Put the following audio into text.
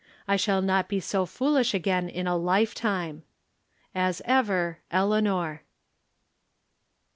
I shall not be so foolish again in a lifetime. As ever, Eleaijoe.